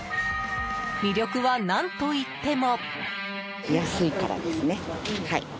魅力は何といっても。